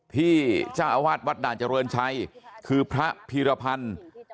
ที่เจ้าอาวาสวัดด่านเจริญชัยคือพระพีรพันธ์